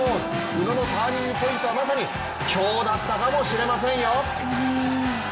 宇野のターニングポイントはまさに今日だったかもしれませんよ。